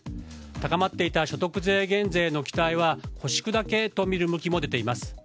高まっていた所得税減税の期待は腰砕けとみる動きも出ています。